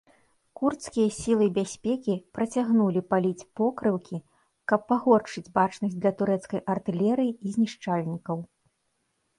Курдскія сілы бяспекі працягнулі паліць покрыўкі, каб пагоршыць бачнасць для турэцкай артылерыі і знішчальнікаў.